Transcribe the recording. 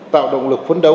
tạo động lực phấn đấu